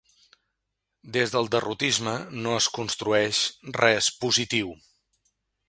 Des del derrotisme, no es construeix res de positiu.